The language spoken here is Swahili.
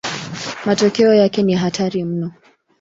Matokeo yake ni hatari mno.